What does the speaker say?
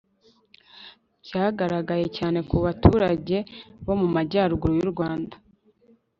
byagaragaye cyane ku baturage bo mu majyaruguru y'u rwanda